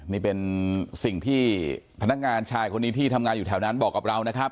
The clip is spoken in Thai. นี่เป็นสิ่งที่พนักงานชายคนนี้ที่ทำงานอยู่แถวนั้นบอกกับเรานะครับ